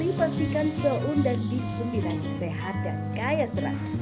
ya apapun yang anda pilih pastikan soun dan bihun dirancang sehat dan kaya serat